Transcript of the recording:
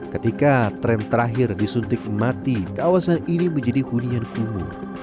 ketika tram terakhir disuntik mati kawasan ini menjadi hunian kumuh